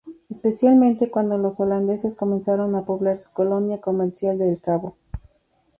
Especialmente cuando los holandeses comenzaron a poblar su colonia comercial de El Cabo.